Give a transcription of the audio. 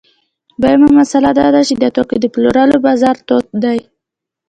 دویمه مسئله دا ده چې د توکو د پلورلو بازار تود دی